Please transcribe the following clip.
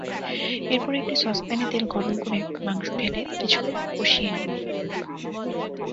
এরপর একটি সসপ্যানে তেল গরম করে মাংস ঢেলে কিছুক্ষণ কষিয়ে নিন।